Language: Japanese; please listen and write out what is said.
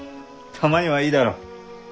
たまにはいいだろう？